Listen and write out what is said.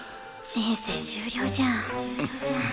人生終了じゃん。